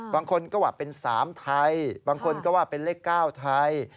บางคนก็ว่าเป็น๓ไทยบางคนก็ว่าเป็นเลข๙ไทย